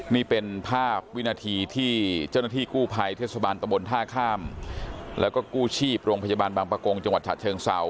นี่เป็นภาพวินาทีที่เจ้าหน้าที่กู้ภัยเทศบาลตะบนท่าข้ามแล้วก็กู้ชีพโรงพยาบาลบางประกงจังหวัดฉะเชิงเศร้า